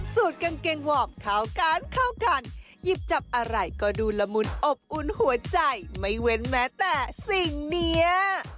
สูตรกางเกงวอร์ปเข้ากันเข้ากันหยิบจับอะไรก็ดูละมุนอบอุ่นหัวใจไม่เว้นแม้แต่สิ่งเนี้ย